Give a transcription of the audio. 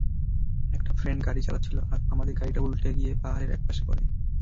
একটা ফ্রেন্ড গাড়ি চালাচ্ছিল, আর আমাদের গাড়িটা উল্টে গিয়ে পাহাড়ের একপাশে পড়ে।